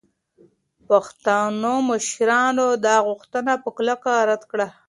پښتنو مشرانو دا غوښتنه په کلکه رد کړه.